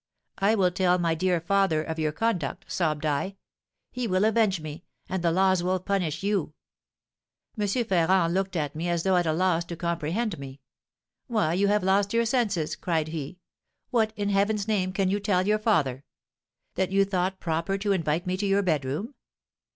'I will tell my dear father of your conduct,' sobbed I; 'he will avenge me, and the laws will punish you.' M. Ferrand looked at me as though at a loss to comprehend me. 'Why, you have lost your senses,' cried he; 'what, in Heaven's name, can you tell your father? That you thought proper to invite me to your bedroom?